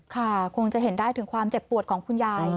คงจะเห็นได้ถึงความเจ็บปวดของคุณยาย